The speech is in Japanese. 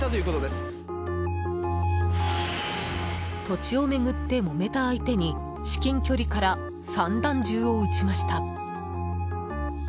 土地を巡って、もめた相手に至近距離から散弾銃を撃ちました。